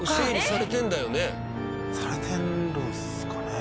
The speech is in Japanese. されてるんですかね？